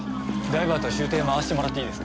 ダイバーと舟艇回してもらっていいですか。